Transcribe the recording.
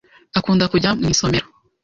Akunda kujya mu isomero.